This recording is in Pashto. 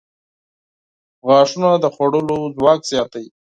• غاښونه د خوړلو ځواک زیاتوي.